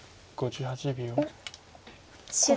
５８秒。